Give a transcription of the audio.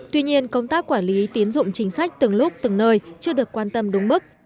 tuy nhiên công tác quản lý tiến dụng chính sách từng lúc từng nơi chưa được quan tâm đúng mức